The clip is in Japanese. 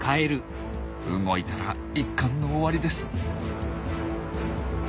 動いたら一巻の終わりです。